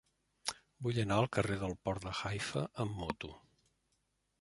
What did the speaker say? Vull anar al carrer del Port de Haifa amb moto.